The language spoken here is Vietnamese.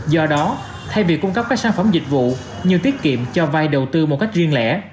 do đó thay vì cung cấp các sản phẩm dịch vụ như tiết kiệm cho vay đầu tư một cách riêng lẻ